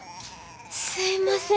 すいません